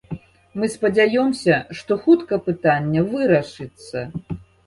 Мы спадзяёмся, што хутка пытанне вырашыцца.